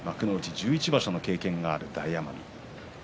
１１場所の経験がある大奄美。